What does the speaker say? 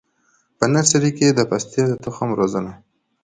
په نرسري کي د پستې د تخم روزنه: